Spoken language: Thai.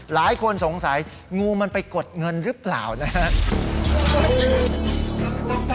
หลายคนสงสัยงูมันไปกดเงินหรือเปล่านะครับ